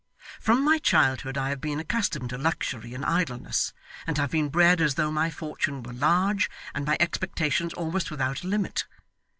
From my childhood I have been accustomed to luxury and idleness, and have been bred as though my fortune were large, and my expectations almost without a limit.